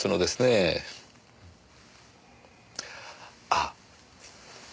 あっ。